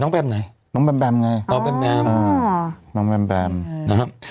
น้องแบมไหนน้องแบมแบมไงอ๋อน้องแบมแบมอ๋อน้องแบมแบมนะฮะ